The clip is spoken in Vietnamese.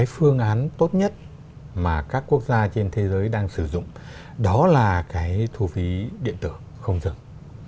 phương án tốt nhất mà các quốc gia trên thế giới đang sử dụng đó là thu phí điện tử không dừng